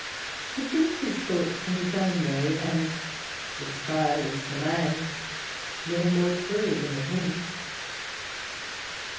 He thinks his thoughts in his own way, and "the style is the man" never more truly than with him.